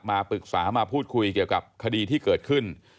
มาปรึกษามาพูดคุยเกี่ยวกับคดีที่เกิดขึ้น